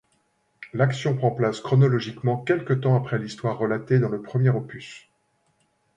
L’action prend place chronologiquement quelque temps après l’histoire relatée dans le premier opus.